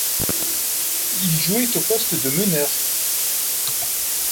Il jouait au poste de meneur.